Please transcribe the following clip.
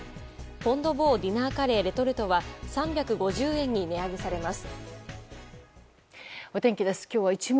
フォン・ド・ボーディナーカレーレトルトは３５０円に値上げされます。